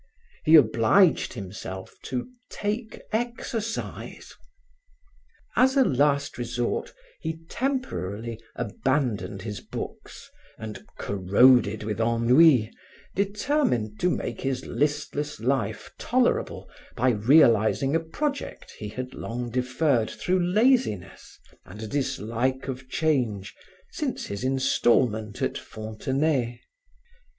He obliged himself to take exercise. As a last resort, he temporarily abandoned his books and, corroded with ennui, determined to make his listless life tolerable by realizing a project he had long deferred through laziness and a dislike of change, since his installment at Fontenay.